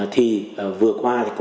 thì vừa qua rất là phức tạp